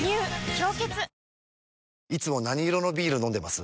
「氷結」いつも何色のビール飲んでます？